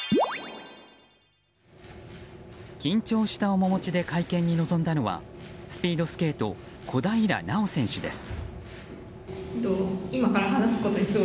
緊張した面持ちで会見に臨んだのはスピードスケート小平奈緒選手です。